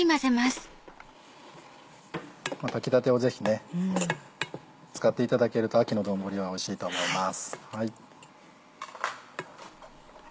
炊きたてをぜひね使っていただけると秋の丼はおいしいと思います。